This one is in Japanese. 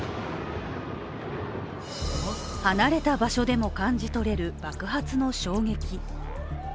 離れた場所でも感じ取れる爆発の衝撃。